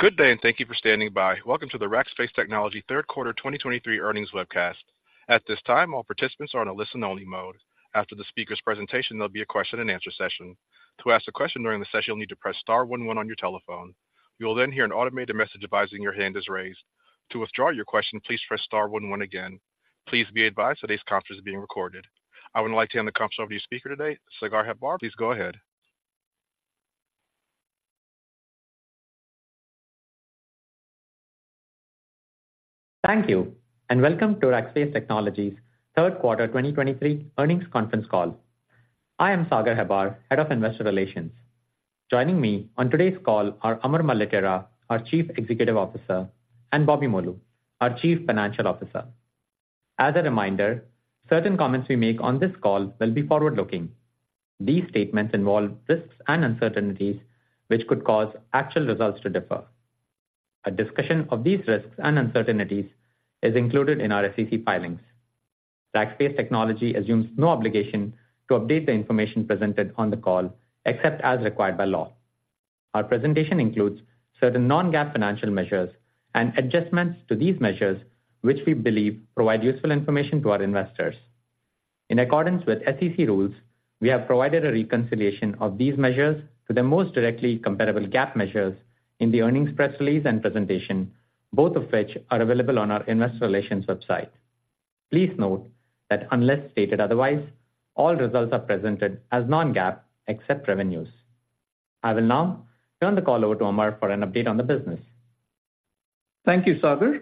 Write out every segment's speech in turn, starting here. Good day, and thank you for standing by. Welcome to the Rackspace Technology Q3 2023 earnings webcast. At this time, all participants are on a listen-only mode. After the speaker's presentation, there'll be a question-and-answer session. To ask a question during the session, you'll need to press star one one on your telephone. You'll then hear an automated message advising your hand is raised. To withdraw your question, please press star one one again. Please be advised today's conference is being recorded. I would like to hand the conference over to your speaker today, Sagar Hebbar. Please go ahead. Thank you, and welcome to Rackspace Technology's Q3 2023 earnings conference call. I am Sagar Hebbar, Head of Investor Relations. Joining me on today's call are Amar Maletira, our Chief Executive Officer, and Bobby Molu, our Chief Financial Officer. As a reminder, certain comments we make on this call will be forward-looking. These statements involve risks and uncertainties which could cause actual results to differ. A discussion of these risks and uncertainties is included in our SEC filings. Rackspace Technology assumes no obligation to update the information presented on the call, except as required by law. Our presentation includes certain non-GAAP financial measures and adjustments to these measures, which we believe provide useful information to our investors. In accordance with SEC rules, we have provided a reconciliation of these measures to the most directly comparable GAAP measures in the earnings press release and presentation, both of which are available on our investor relations website. Please note that unless stated otherwise, all results are presented as non-GAAP, except revenues. I will now turn the call over to Amar for an update on the business. Thank you, Sagar.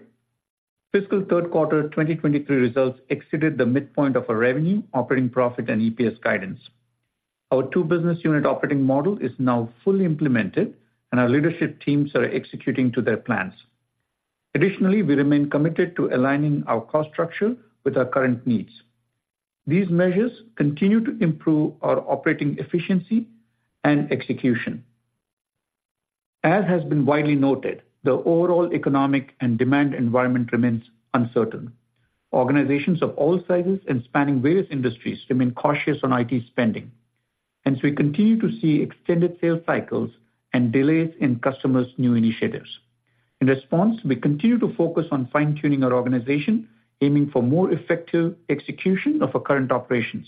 Fiscal Q3 2023 results exceeded the midpoint of our revenue, operating profit, and EPS guidance. Our two business unit operating model is now fully implemented, and our leadership teams are executing to their plans. Additionally, we remain committed to aligning our cost structure with our current needs. These measures continue to improve our operating efficiency and execution. As has been widely noted, the overall economic and demand environment remains uncertain. Organizations of all sizes and spanning various industries remain cautious on IT spending, and so we continue to see extended sales cycles and delays in customers' new initiatives. In response, we continue to focus on fine-tuning our organization, aiming for more effective execution of our current operations.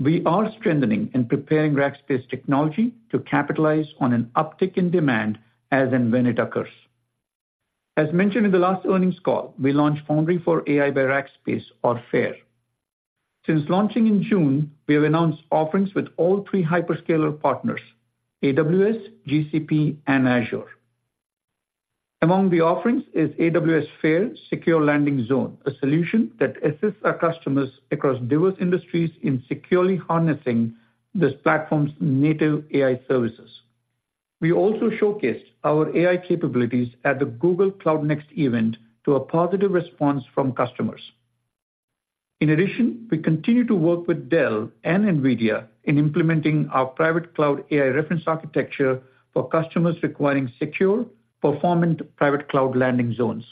We are strengthening and preparing Rackspace Technology to capitalize on an uptick in demand as and when it occurs. As mentioned in the last earnings call, we launched Foundry for AI by Rackspace, or FAIR. Since launching in June, we have announced offerings with all three hyperscaler partners, AWS, GCP, and Azure. Among the offerings is AWS FAIR Secure Landing Zone, a solution that assists our customers across diverse industries in securely harnessing this platform's native AI services. We also showcased our AI capabilities at the Google Cloud Next event to a positive response from customers. In addition, we continue to work with Dell and NVIDIA in implementing our private cloud AI reference architecture for customers requiring secure, performant, private cloud landing zones.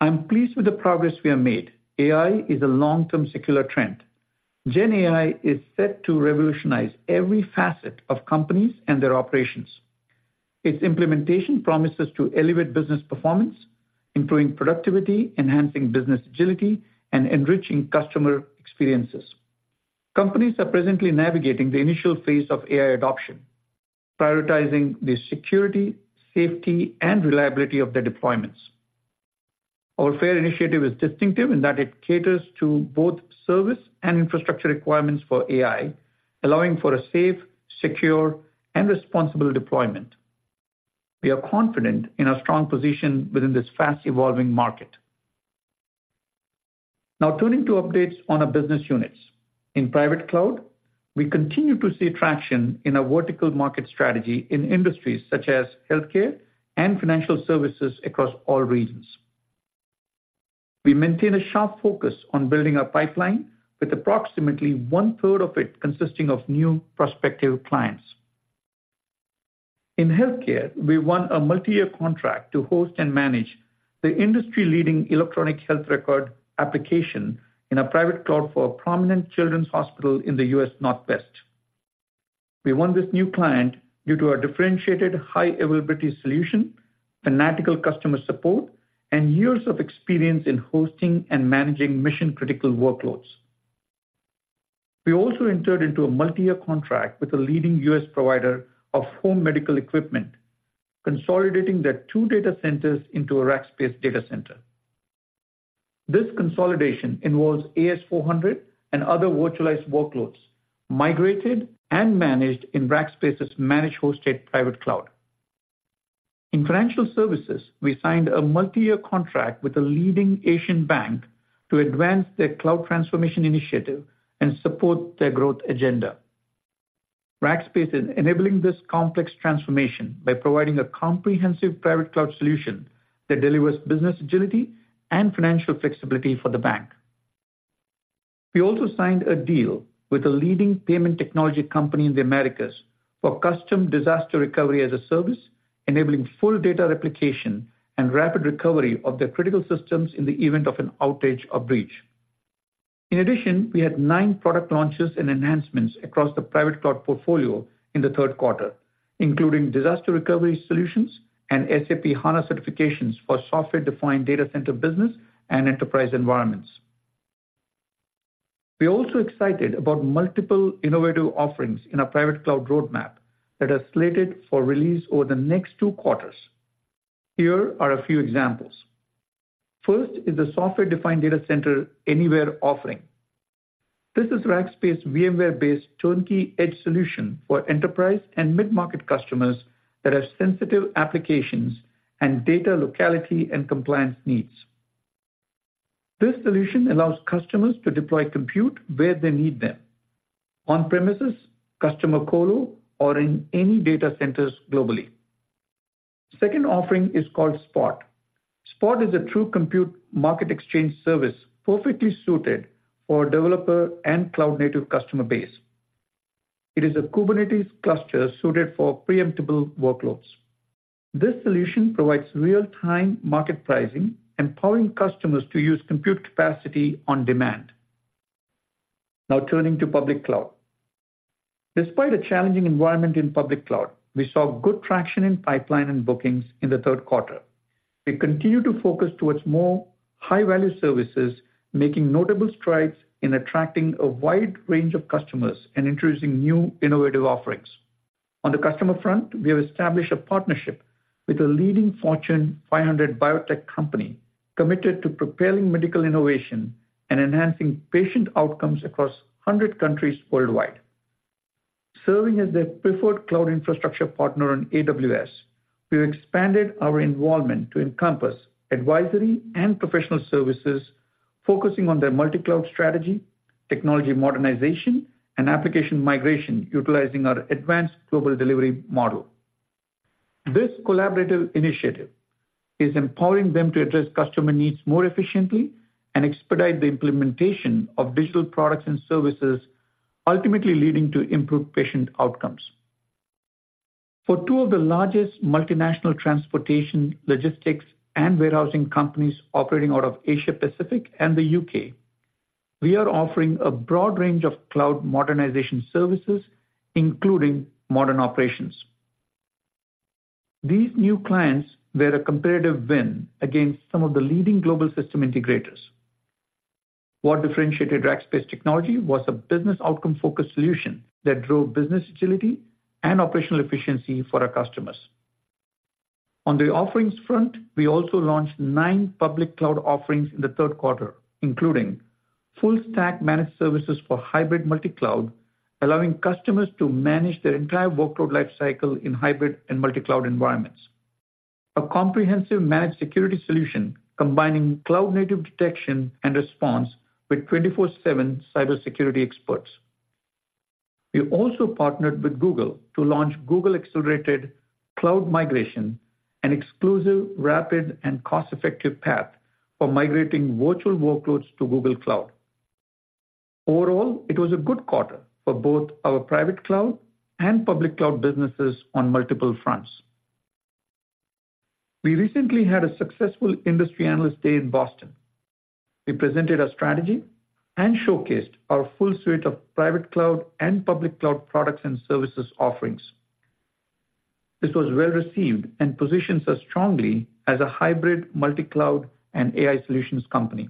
I'm pleased with the progress we have made. AI is a long-term secular trend. Gen AI is set to revolutionize every facet of companies and their operations. Its implementation promises to elevate business performance, improving productivity, enhancing business agility, and enriching customer experiences. Companies are presently navigating the initial phase of AI adoption, prioritizing the security, safety, and reliability of their deployments. Our FAIR initiative is distinctive in that it caters to both service and infrastructure requirements for AI, allowing for a safe, secure, and responsible deployment. We are confident in our strong position within this fast-evolving market. Now turning to updates on our business units. In private cloud, we continue to see traction in our vertical market strategy in industries such as healthcare and financial services across all regions. We maintain a sharp focus on building our pipeline, with approximately one-third of it consisting of new prospective clients. In healthcare, we won a multi-year contract to host and manage the industry-leading electronic health record application in a private cloud for a prominent children's hospital in the U.S. Northwest. We won this new client due to our differentiated, high availability solution, fanatical customer support, and years of experience in hosting and managing mission-critical workloads. We also entered into a multi-year contract with a leading U.S. provider of home medical equipment, consolidating their two data centers into a Rackspace data center. This consolidation involves AS/400 and other virtualized workloads, migrated and managed in Rackspace's managed hosted private cloud. In financial services, we signed a multi-year contract with a leading Asian bank to advance their cloud transformation initiative and support their growth agenda. Rackspace is enabling this complex transformation by providing a comprehensive private cloud solution that delivers business agility and financial flexibility for the bank. We also signed a deal with a leading payment technology company in the Americas for custom disaster recovery as a service, enabling full data replication and rapid recovery of their critical systems in the event of an outage or breach. In addition, we had nine product launches and enhancements across the private cloud portfolio in the Q3, including disaster recovery solutions and SAP HANA certifications for software-defined data center business and enterprise environments. We are also excited about multiple innovative offerings in our private cloud roadmap that are slated for release over the next two quarters. Here are a few examples. First is the Software-Defined Data Center Anywhere offering. This is Rackspace VMware-based turnkey edge solution for enterprise and mid-market customers that have sensitive applications and data locality and compliance needs. This solution allows customers to deploy compute where they need them, on-premises, customer colo, or in any data centers globally. Second offering is called Spot. Spot is a true compute market exchange service, perfectly suited for developer and cloud-native customer base. It is a Kubernetes cluster suited for preemptible workloads. This solution provides real-time market pricing, empowering customers to use compute capacity on demand. Now turning to public cloud. Despite a challenging environment in public cloud, we saw good traction in pipeline and bookings in the Q3. We continue to focus towards more high-value services, making notable strides in attracting a wide range of customers and introducing new innovative offerings. On the customer front, we have established a partnership with a leading Fortune 500 biotech company, committed to propelling medical innovation and enhancing patient outcomes across 100 countries worldwide. Serving as their preferred cloud infrastructure partner on AWS, we've expanded our involvement to encompass advisory and professional services, focusing on their multi-cloud strategy, technology modernization, and application migration, utilizing our advanced global delivery model. This collaborative initiative is empowering them to address customer needs more efficiently and expedite the implementation of digital products and services, ultimately leading to improved patient outcomes. For two of the largest multinational transportation, logistics, and warehousing companies operating out of Asia Pacific and the U.K., we are offering a broad range of cloud modernization services, including modern operations. These new clients were a competitive win against some of the leading global system integrators. What differentiated Rackspace Technology was a business outcome-focused solution that drove business agility and operational efficiency for our customers. On the offerings front, we also launched 9 public cloud offerings in the Q3, including full stack managed services for hybrid multi-cloud, allowing customers to manage their entire workload life cycle in hybrid and multi-cloud environments. A comprehensive managed security solution, combining cloud-native detection and response with 24/7 cybersecurity experts. We also partnered with Google to launch Google Accelerated Cloud Migration, an exclusive, rapid, and cost-effective path for migrating virtual workloads to Google Cloud. Overall, it was a good quarter for both our private cloud and public cloud businesses on multiple fronts. We recently had a successful industry analyst day in Boston. We presented a strategy and showcased our full suite of private cloud and public cloud products and services offerings. This was well received and positions us strongly as a hybrid, multi-cloud, and AI solutions company.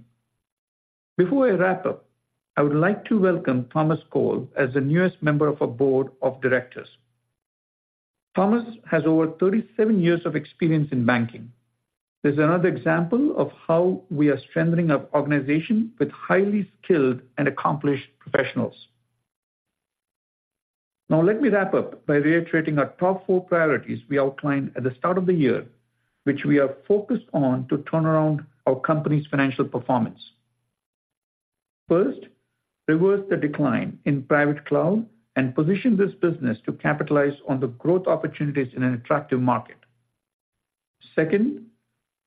Before I wrap up, I would like to welcome Thomas Cole as the newest member of our Board of Directors. Thomas has over 37 years of experience in banking. This is another example of how we are strengthening our organization with highly skilled and accomplished professionals. Now, let me wrap up by reiterating our top four priorities we outlined at the start of the year, which we are focused on to turn around our company's financial performance. First, reverse the decline in private cloud and position this business to capitalize on the growth opportunities in an attractive market. Second,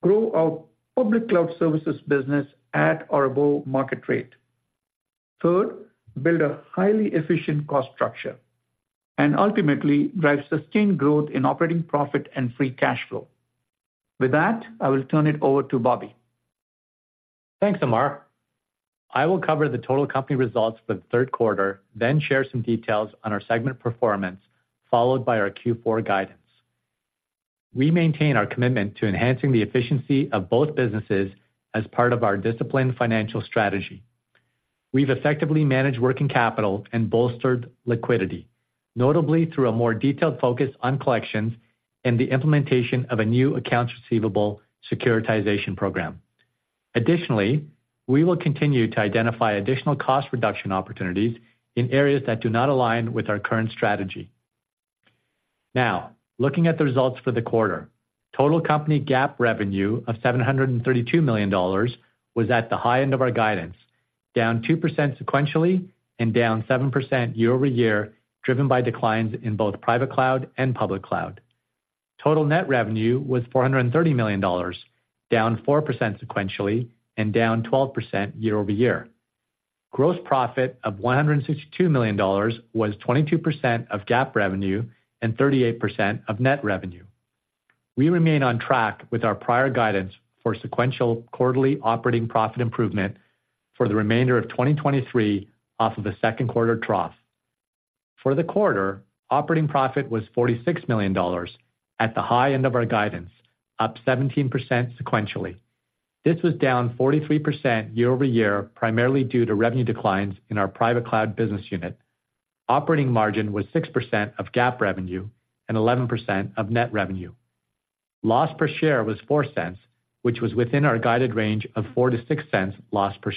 grow our public cloud services business at or above market rate. Third, build a highly efficient cost structure, and ultimately, drive sustained growth in operating profit and free cash flow. With that, I will turn it over to Bobby. Thanks, Amar. I will cover the total company results for the Q3, then share some details on our segment performance, followed by our Q4 guidance. We maintain our commitment to enhancing the efficiency of both businesses as part of our disciplined financial strategy. We've effectively managed working capital and bolstered liquidity, notably through a more detailed focus on collections and the implementation of a new accounts receivable securitization program. Additionally, we will continue to identify additional cost reduction opportunities in areas that do not align with our current strategy. Now, looking at the results for the quarter. Total company GAAP revenue of $732 million was at the high end of our guidance, down 2% sequentially and down 7% year-over-year, driven by declines in both private cloud and public cloud. Total net revenue was $430 million, down 4% sequentially and down 12% year-over-year. Gross profit of $162 million was 22% of GAAP revenue and 38% of net revenue. We remain on track with our prior guidance for sequential quarterly operating profit improvement for the remainder of 2023 off of the Q2 trough. For the quarter, operating profit was $46 million at the high end of our guidance, up 17% sequentially. This was down 43% year-over-year, primarily due to revenue declines in our private cloud business unit. Operating margin was 6% of GAAP revenue and 11% of net revenue. Loss per share was $0.04, which was within our guided range of $0.04-$0.06 loss per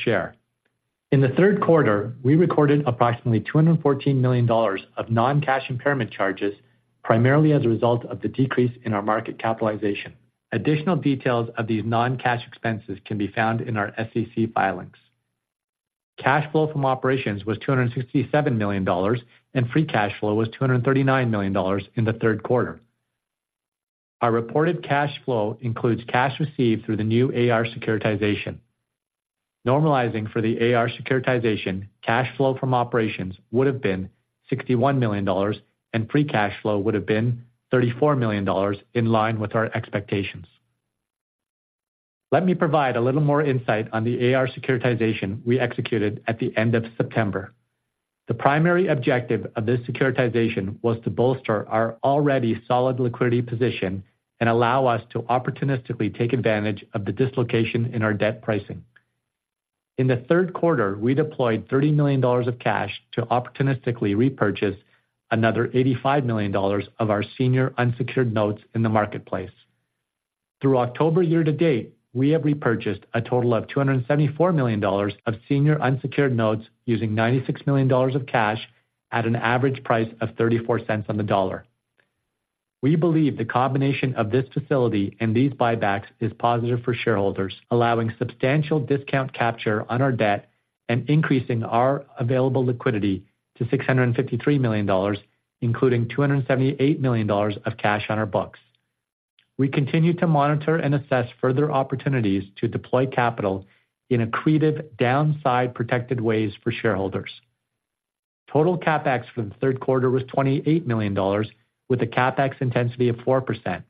share. In the Q3, we recorded approximately $214 million of non-cash impairment charges, primarily as a result of the decrease in our market capitalization. Additional details of these non-cash expenses can be found in our SEC filings. Cash flow from operations was $267 million, and free cash flow was $239 million in the Q3. Our reported cash flow includes cash received through the new AR securitization. Normalizing for the AR securitization, cash flow from operations would have been $61 million, and free cash flow would have been $34 million, in line with our expectations. Let me provide a little more insight on the AR Securitization we executed at the end of September. The primary objective of this securitization was to bolster our already solid liquidity position and allow us to opportunistically take advantage of the dislocation in our debt pricing. In the Q3, we deployed $30 million of cash to opportunistically repurchase another $85 million of our senior unsecured notes in the marketplace. Through October year to date, we have repurchased a total of $274 million of senior unsecured notes, using $96 million of cash at an average price of 34 cents on the dollar. We believe the combination of this facility and these buybacks is positive for shareholders, allowing substantial discount capture on our debt and increasing our available liquidity to $653 million, including $278 million of cash on our books. We continue to monitor and assess further opportunities to deploy capital in accretive, downside protected ways for shareholders. Total CapEx for the Q3 was $28 million, with a CapEx intensity of 4%.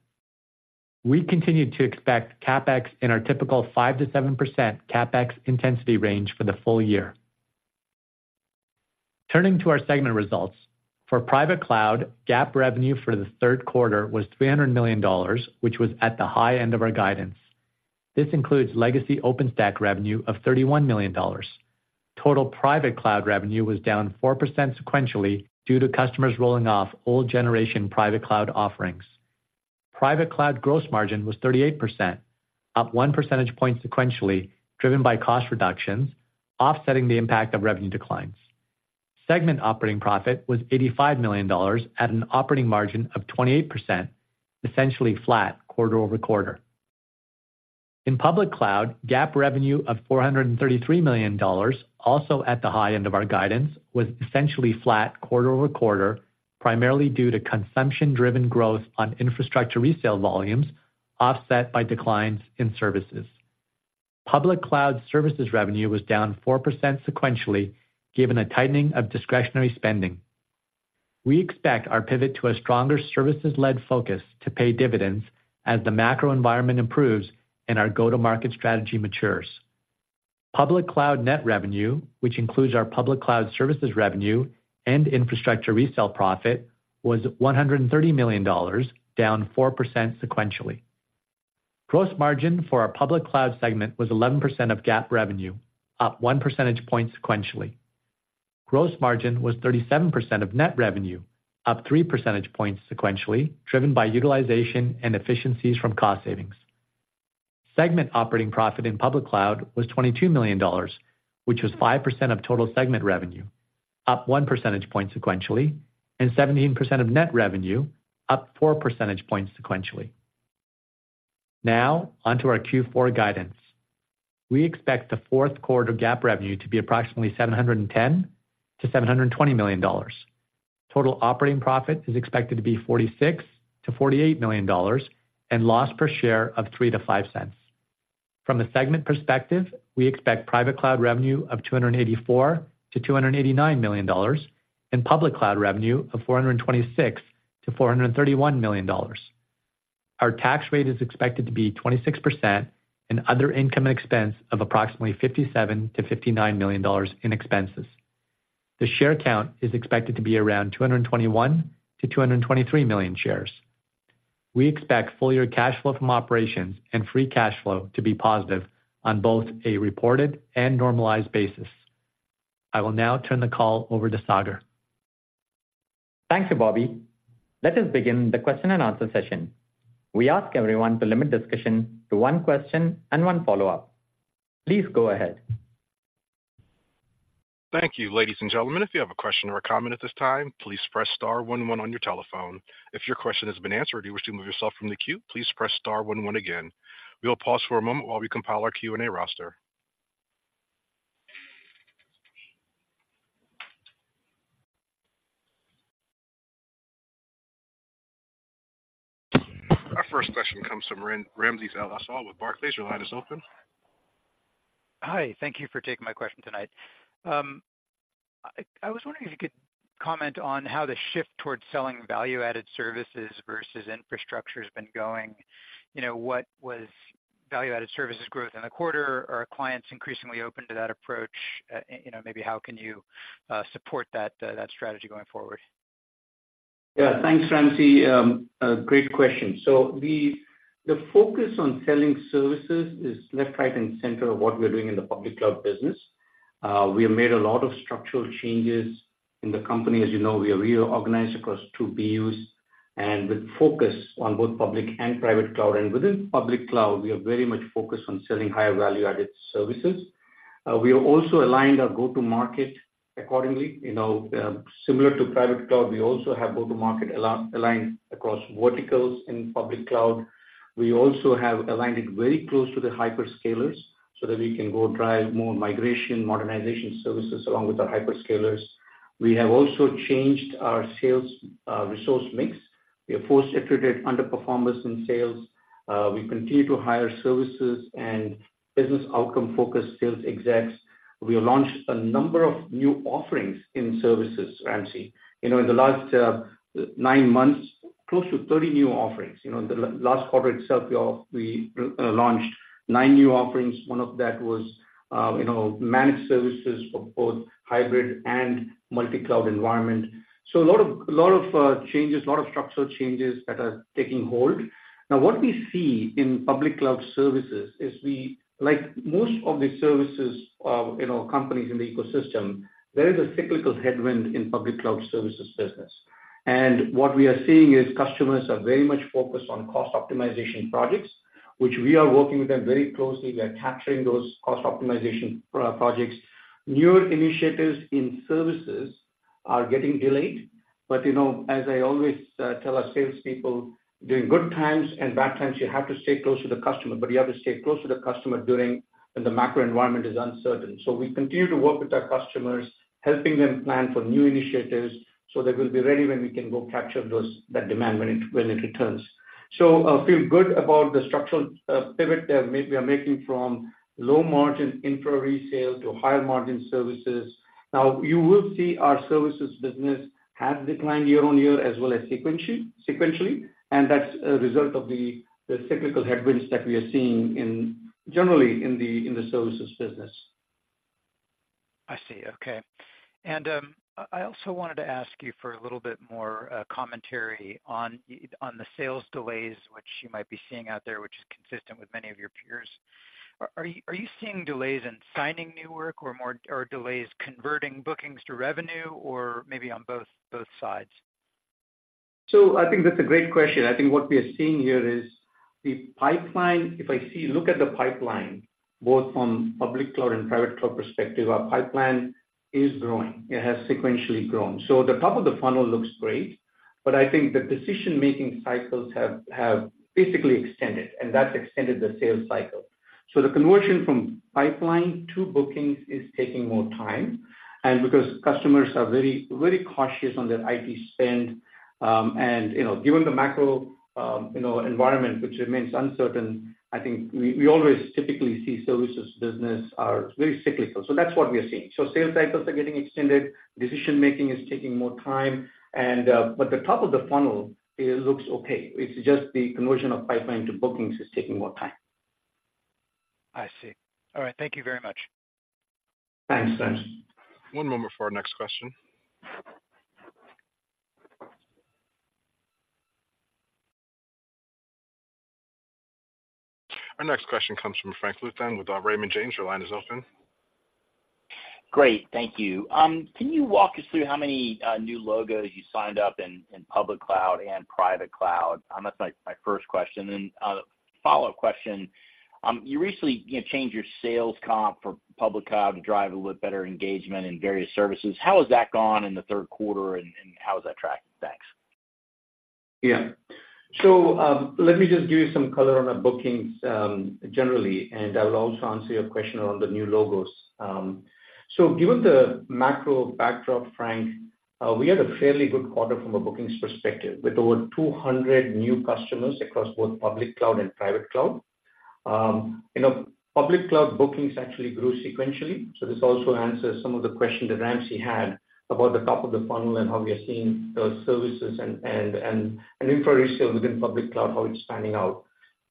We continued to expect CapEx in our typical 5%-7% CapEx intensity range for the full year. Turning to our segment results. For private cloud, GAAP revenue for the Q3 was $300 million, which was at the high end of our guidance. This includes legacy OpenStack revenue of $31 million. Total private cloud revenue was down 4% sequentially due to customers rolling off old generation private cloud offerings. Private cloud gross margin was 38%, up one percentage point sequentially, driven by cost reductions, offsetting the impact of revenue declines. Segment operating profit was $85 million at an operating margin of 28%, essentially flat quarter-over-quarter. In Public Cloud, GAAP revenue of $433 million, also at the high end of our guidance, was essentially flat quarter-over-quarter, primarily due to consumption-driven growth on infrastructure resale volumes, offset by declines in services. Public Cloud services revenue was down 4% sequentially, given a tightening of discretionary spending. We expect our pivot to a stronger services-led focus to pay dividends as the macro environment improves and our go-to-market strategy matures. Public Cloud net revenue, which includes our Public Cloud services revenue and infrastructure resale profit, was $130 million, down 4% sequentially. Gross margin for our Public Cloud segment was 11% of GAAP revenue, up one percentage point sequentially. Gross margin was 37% of net revenue, up 3 percentage points sequentially, driven by utilization and efficiencies from cost savings. Segment operating profit in public cloud was $22 million, which was 5% of total segment revenue, up 1 percentage point sequentially, and 17% of net revenue, up 4 percentage points sequentially. Now, on to our Q4 guidance. We expect the Q4 GAAP revenue to be approximately $710 million-$720 million. Total operating profit is expected to be $46 million-$48 million, and loss per share of $0.03-$0.05. From a segment perspective, we expect private cloud revenue of $284 million-$289 million, and public cloud revenue of $426 million-$431 million. Our tax rate is expected to be 26% and other income and expense of approximately $57 million-$59 million in expenses. The share count is expected to be around 221 million-223 million shares. We expect full year cash flow from operations and free cash flow to be positive on both a reported and normalized basis. I will now turn the call over to Sagar. Thank you, Bobby. Let us begin the question and answer session. We ask everyone to limit discussion to one question and one follow-up. Please go ahead. Thank you. Ladies and gentlemen, if you have a question or a comment at this time, please press star one one on your telephone. If your question has been answered, or you wish to remove yourself from the queue, please press star one one again. We will pause for a moment while we compile our Q&A roster. Our first question comes from Ramsey El-Assal with Barclays. Your line is open. Hi, thank you for taking my question tonight. I was wondering if you could comment on how the shift towards selling value-added services versus infrastructure has been going. You know, what was value-added services growth in the quarter? Are clients increasingly open to that approach? And, you know, maybe how can you support that strategy going forward? Yeah, thanks, Ramsey. A great question. So the focus on selling services is left, right, and center of what we're doing in the public cloud business. We have made a lot of structural changes in the company. As you know, we are reorganized across two BUs, and with focus on both public and private cloud. Within public cloud, we are very much focused on selling higher value-added services. We have also aligned our go-to-market accordingly. You know, similar to private cloud, we also have go-to-market aligned across verticals in public cloud. We also have aligned it very close to the hyperscalers so that we can go drive more migration, modernization services along with our hyperscalers. We have also changed our sales resource mix. We have force attrited underperformers in sales. We continue to hire services and business outcome-focused sales execs. We have launched a number of new offerings in services, Ramsey. You know, in the last 9 months, close to 30 new offerings. You know, in the last quarter itself, we launched 9 new offerings. One of that was, you know, managed services for both hybrid and multi-cloud environment. So a lot of changes, a lot of structural changes that are taking hold. Now, what we see in Public Cloud services is we, like most of the services, you know, companies in the ecosystem, there is a cyclical headwind in Public Cloud services business. And what we are seeing is customers are very much focused on cost optimization projects, which we are working with them very closely. We are capturing those cost optimization for our projects. Newer initiatives in services are getting delayed, but, you know, as I always tell our salespeople, during good times and bad times, you have to stay close to the customer, but you have to stay close to the customer during when the macro environment is uncertain. So we continue to work with our customers, helping them plan for new initiatives, so they will be ready when we can go capture that demand when it returns. So I feel good about the structural pivot that we are making from low-margin infra resale to higher-margin services. Now, you will see our services business has declined year-on-year as well as sequentially, and that's a result of the cyclical headwinds that we are seeing in generally in the services business. I see. Okay. And I also wanted to ask you for a little bit more commentary on the sales delays, which you might be seeing out there, which is consistent with many of your peers. Are you seeing delays in signing new work or more, or delays converting bookings to revenue, or maybe on both sides? So I think that's a great question. I think what we are seeing here is the pipeline. If I look at the pipeline, both from public cloud and private cloud perspective, our pipeline is growing. It has sequentially grown. So the top of the funnel looks great, but I think the decision-making cycles have, have basically extended, and that's extended the sales cycle. So the conversion from pipeline to bookings is taking more time, and because customers are very, very cautious on their IT spend, and, you know, given the macro, you know, environment, which remains uncertain, I think we, we always typically see services business are very cyclical. So that's what we are seeing. So sales cycles are getting extended, decision making is taking more time, and, but the top of the funnel, it looks okay. It's just the conversion of pipeline to bookings is taking more time. I see. All right. Thank you very much. Thanks, Ramsey. One moment for our next question. Our next question comes from Frank Louthan with Raymond James. Your line is open. Great. Thank you. Can you walk us through how many new logos you signed up in public cloud and private cloud? That's my first question. Then, follow-up question, you recently, you know, changed your sales comp for public cloud to drive a little better engagement in various services. How has that gone in the Q3, and how is that tracking? Thanks. Yeah. So, let me just give you some color on our bookings, generally, and I will also answer your question around the new logos. So given the macro backdrop, Frank, we had a fairly good quarter from a bookings perspective, with over 200 new customers across both Public Cloud and Private Cloud. You know, Public Cloud bookings actually grew sequentially, so this also answers some of the questions that Ramsey had about the top of the funnel and how we are seeing, services and infra resale within Public Cloud, how it's panning out.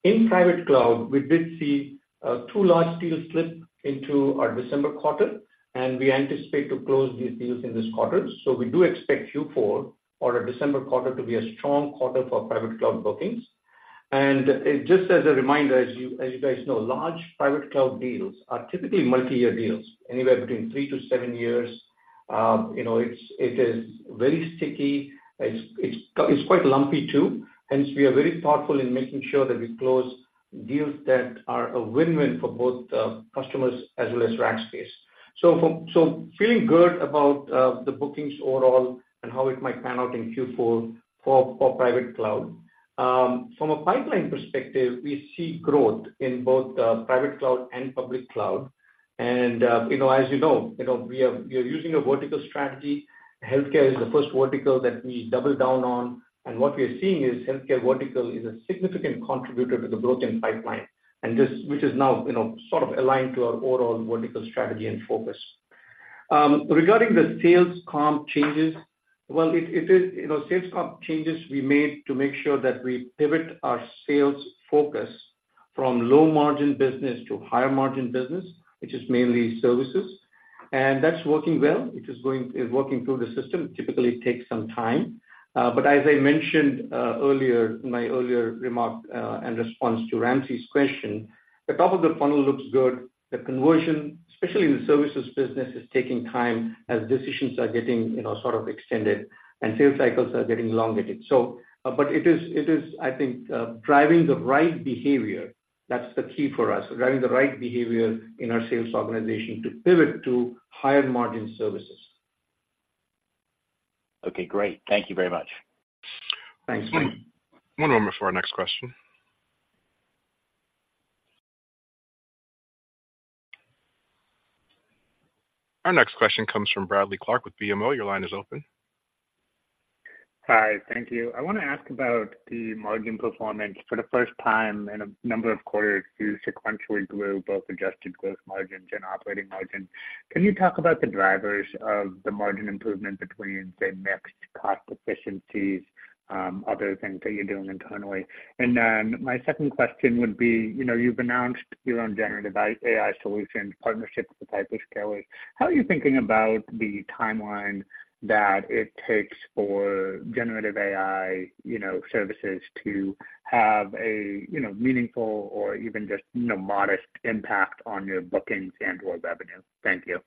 In Private Cloud, we did see, 2 large deals slip into our December quarter, and we anticipate to close these deals in this quarter. So we do expect Q4 or our December quarter to be a strong quarter for Private Cloud bookings. Just as a reminder, as you guys know, large private cloud deals are typically multi-year deals, anywhere between 3-7 years. You know, it is very sticky. It's quite lumpy, too, hence we are very thoughtful in making sure that we close deals that are a win-win for both the customers as well as Rackspace. So feeling good about the bookings overall and how it might pan out in Q4 for private cloud. From a pipeline perspective, we see growth in both private cloud and public cloud. You know, as you know, we are using a vertical strategy. Healthcare is the first vertical that we doubled down on, and what we are seeing is healthcare vertical is a significant contributor to the booking pipeline, and which is now, you know, sort of aligned to our overall vertical strategy and focus. Regarding the sales comp changes, well, it is, you know, sales comp changes we made to make sure that we pivot our sales focus from low-margin business to higher-margin business, which is mainly services. And that's working well. It's working through the system. Typically, it takes some time. But as I mentioned earlier, in my earlier remark, and response to Ramsey's question, the top of the funnel looks good. The conversion, especially in the services business, is taking time as decisions are getting, you know, sort of extended and sales cycles are getting elongated. But it is, I think, driving the right behavior. That's the key for us, driving the right behavior in our sales organization to pivot to higher-margin services. Okay, great. Thank you very much. Thanks. One moment for our next question. Our next question comes from Bradley Clark with BMO. Your line is open. Hi. Thank you. I want to ask about the margin performance. For the first time in a number of quarters, you sequentially grew both adjusted gross margins and operating margins. Can you talk about the drivers of the margin improvement between, say, mixed cost efficiencies, other things that you're doing internally? And then my second question would be, you know, you've announced your own generative AI solutions, partnerships with hyperscalers. How are you thinking about the timeline that it takes for generative AI, you know, services to have a, you know, meaningful or even just, you know, modest impact on your bookings and or revenue? Thank you.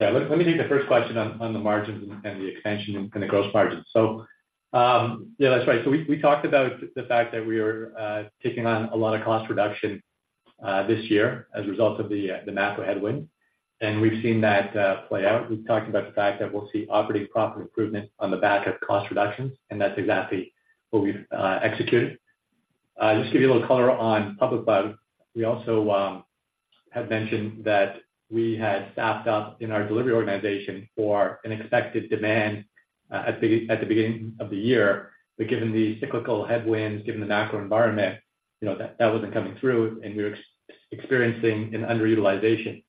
Yeah. Let me take the first question on the margins and the expansion and the gross margins. So, yeah, that's right. So we talked about the fact that we are taking on a lot of cost reduction this year as a result of the macro headwind, and we've seen that play out. We've talked about the fact that we'll see operating profit improvement on the back of cost reductions, and that's exactly what we've executed. Just to give you a little color on Public Cloud, we also have mentioned that we had staffed up in our delivery organization for an expected demand at the beginning of the year. But given the cyclical headwinds, given the macro environment, you know, that wasn't coming through, and we're experiencing an underutilization.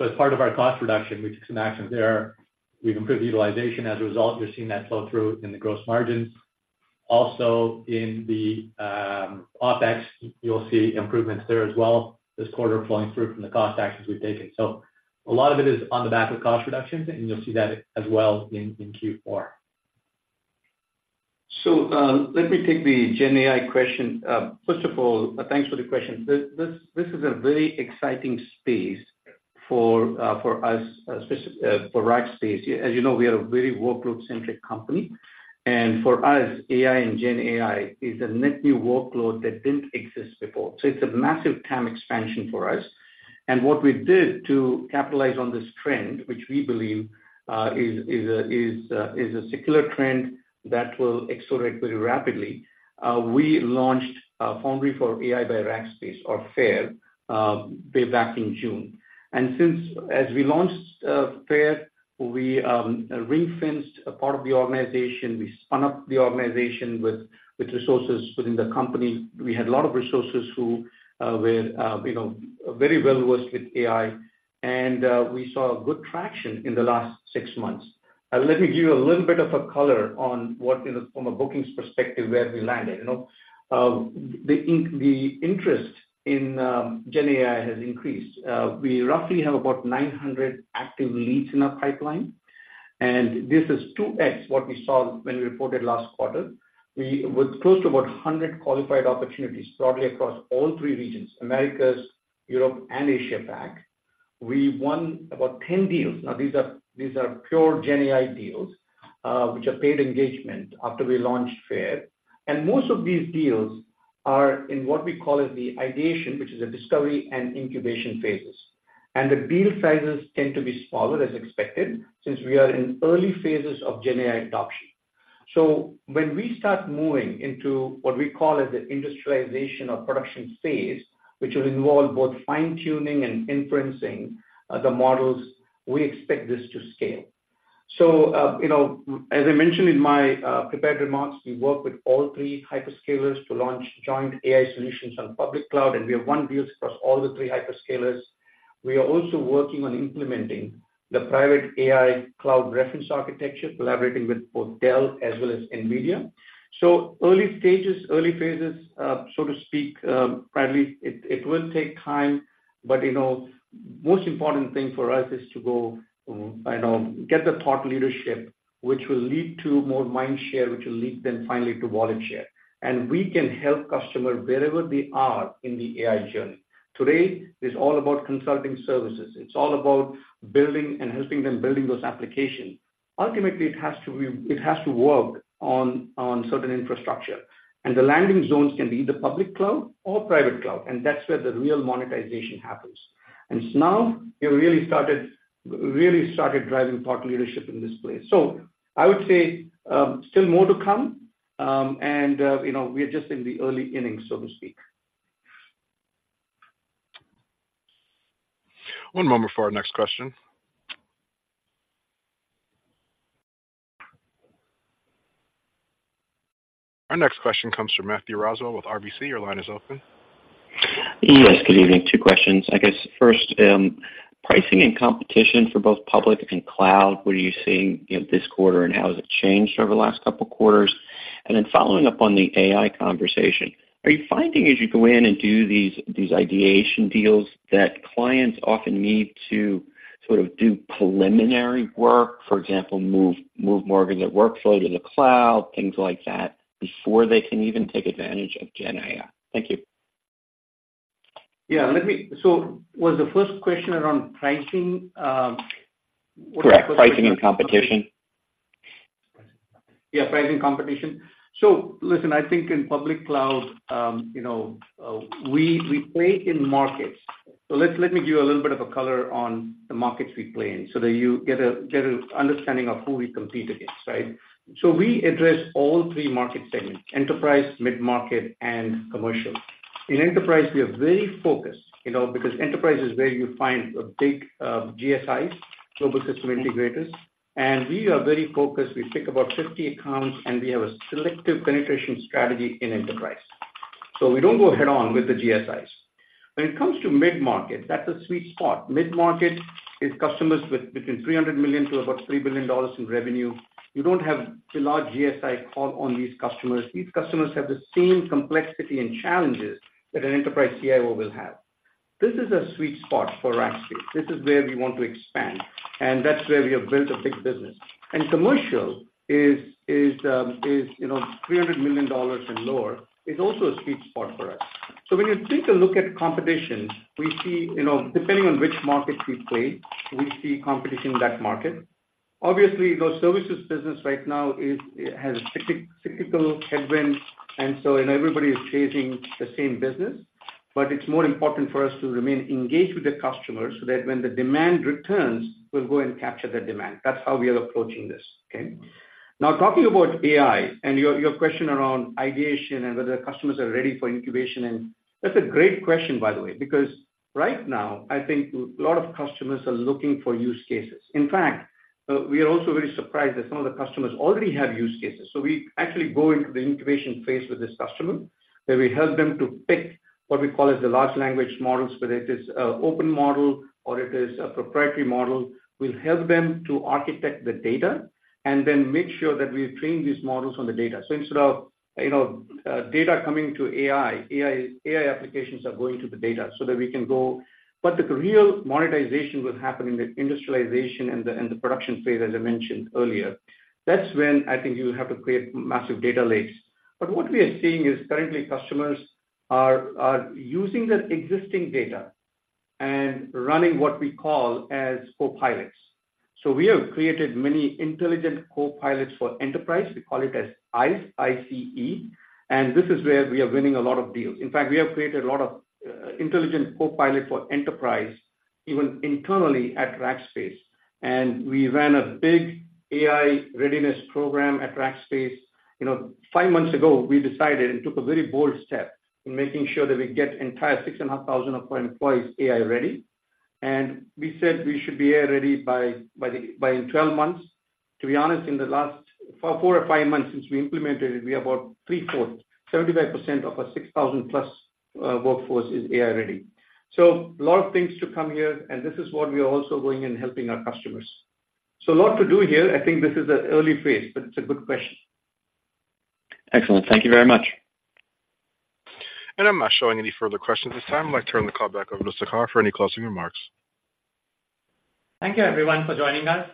So as part of our cost reduction, we took some actions there. We've improved utilization. As a result, we're seeing that flow through in the gross margins. Also, in the OpEx, you'll see improvements there as well, this quarter flowing through from the cost actions we've taken. So a lot of it is on the back of cost reductions, and you'll see that as well in Q4. So, let me take the GenAI question. First of all, thanks for the question. This is a very exciting space for us for Rackspace. As you know, we are a very workload-centric company, and for us, AI and GenAI is a net new workload that didn't exist before. So it's a massive TAM expansion for us. And what we did to capitalize on this trend, which we believe is a secular trend that will accelerate very rapidly, we launched Foundry for AI by Rackspace or FAIR way back in June. As we launched FAIR, we refenced a part of the organization. We spun up the organization with resources within the company. We had a lot of resources who were, you know, very well versed with AI, and we saw good traction in the last six months. Let me give you a little bit of a color on what, you know, from a bookings perspective, where we landed, you know? The interest in GenAI has increased. We roughly have about 900 active leads in our pipeline, and this is 2x what we saw when we reported last quarter. With close to about 100 qualified opportunities broadly across all three regions, Americas, Europe, and Asia Pac, we won about 10 deals. Now, these are pure GenAI deals, which are paid engagement after we launched FAIR. And most of these deals are in what we call as the ideation, which is a discovery and incubation phases. The deal sizes tend to be smaller, as expected, since we are in early phases of GenAI adoption. So when we start moving into what we call as the industrialization or production phase, which will involve both fine-tuning and inferencing, the models, we expect this to scale. So, you know, as I mentioned in my prepared remarks, we work with all three hyperscalers to launch joint AI solutions on public cloud, and we have won deals across all the three hyperscalers. We are also working on implementing the private AI cloud reference architecture, collaborating with both Dell as well as NVIDIA. So early stages, early phases, so to speak, Bradley, it will take time, but, you know, most important thing for us is to go, you know, get the thought leadership, which will lead to more mind share, which will lead then finally to wallet share. And we can help customers wherever they are in the AI journey. Today, it's all about consulting services. It's all about building and helping them building those applications. Ultimately, it has to be. It has to work on certain infrastructure, and the landing zones can be either Public Cloud or Private Cloud, and that's where the real monetization happens. And now we really started, really started driving thought leadership in this place. So I would say, still more to come, and, you know, we are just in the early innings, so to speak. One moment for our next question. Our next question comes from Matthew Roswell with RBC. Your line is open. Yes, good evening. Two questions. I guess first, pricing and competition for both public and cloud. What are you seeing, you know, this quarter, and how has it changed over the last couple of quarters? And then following up on the AI conversation, are you finding as you go in and do these, these ideation deals, that clients often need to sort of do preliminary work? For example, move, move more of their workflow to the cloud, things like that, before they can even take advantage of GenAI. Thank you. Yeah, let me. So was the first question around pricing. Correct. Pricing and competition. Yeah, pricing and competition. So listen, I think in public cloud, you know, we play in markets. So let me give you a little bit of a color on the markets we play in so that you get an understanding of who we compete against, right? So we address all three market segments: enterprise, mid-market, and commercial. In enterprise, we are very focused, you know, because enterprise is where you find a big GSIs, Global System Integrators, and we are very focused. We pick about 50 accounts, and we have a selective penetration strategy in enterprise. So we don't go head-on with the GSIs. When it comes to mid-market, that's a sweet spot. Mid-market is customers with between $300 million to about $3 billion in revenue. You don't have a large GSI call on these customers. These customers have the same complexity and challenges that an enterprise CIO will have. This is a sweet spot for Rackspace. This is where we want to expand, and that's where we have built a big business. And commercial is, you know, $300 million and lower, is also a sweet spot for us. So when you take a look at competition, we see, you know, depending on which market we play, we see competition in that market. Obviously, the services business right now is, has a cyclical headwind, and so and everybody is chasing the same business. But it's more important for us to remain engaged with the customers so that when the demand returns, we'll go and capture the demand. That's how we are approaching this, okay? Now, talking about AI and your, your question around ideation and whether customers are ready for incubation, and that's a great question, by the way, because right now, I think a lot of customers are looking for use cases. In fact, we are also very surprised that some of the customers already have use cases. So we actually go into the incubation phase with this customer, where we help them to pick what we call as the large language models, whether it is, open model or it is a proprietary model. We'll help them to architect the data and then make sure that we train these models on the data. So instead of, you know, data coming to AI, AI, AI applications are going to the data so that we can go... But the real monetization will happen in the industrialization and the production phase, as I mentioned earlier. That's when I think you have to create massive data lakes. But what we are seeing is currently customers are using the existing data and running what we call as copilots. So we have created many Intelligent Copilots for Enterprise. We call it as ICE, I-C-E, and this is where we are winning a lot of deals. In fact, we have created a lot of intelligent copilot for enterprise, even internally at Rackspace, and we ran a big AI readiness program at Rackspace. You know, five months ago, we decided and took a very bold step in making sure that we get entire 6,500 of our employees AI ready, and we said we should be AI ready by in 12 months. To be honest, in the last four or five months since we implemented it, we are about three-fourths. 75% of our 6,000+ workforce is AI ready. So a lot of things to come here, and this is what we are also doing in helping our customers. So a lot to do here. I think this is an early phase, but it's a good question. Excellent. Thank you very much. I'm not showing any further questions at this time. I'd like to turn the call back over to Sagar for any closing remarks. Thank you, everyone, for joining us.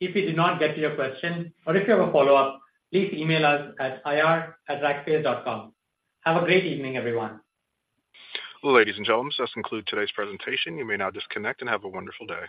If we did not get to your question, or if you have a follow-up, please email us at ir@rackspace.com. Have a great evening, everyone. Ladies and gentlemen, this concludes today's presentation. You may now disconnect and have a wonderful day.